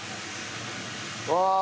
うわあ！